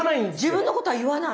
自分のことは言わない。